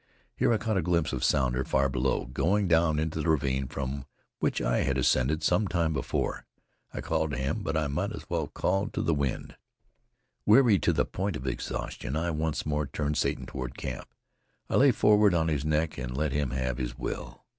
Here I caught a glimpse of Sounder far below, going down into the ravine from which I had ascended some time before. I called to him, but I might as well have called to the wind. Weary to the point of exhaustion, I once more turned Satan toward camp. I lay forward on his neck and let him have his will.